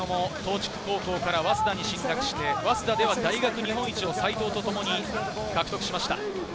中野も東筑高校から早稲田に進学して、早稲田では大学日本一を齋藤とともに獲得しました。